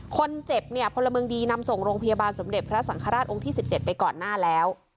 คนเจ็บเนี่ยพลเมืองดีนำส่งโรงพยาบาลสมเด็จพระสังฆราชองค์ที่๑๗ไปก่อนหน้าแล้ว